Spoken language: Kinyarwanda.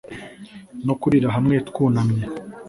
no kurira hamwe, twunamye